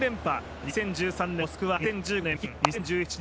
２０１３年のモスクワ２０１５年